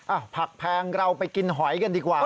ผักแพงเราไปกินหอยกันดีกว่า